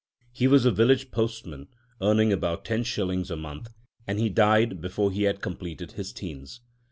He was a village postman, earning about ten shillings a month, and he died before he had completed his teens.